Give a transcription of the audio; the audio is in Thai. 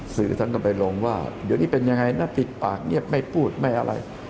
เสรีทำรายลงว่าเดี๋ยวนี้เป็นอย่างไรเราปิดปากเงียบไม่พูดไม่อะไร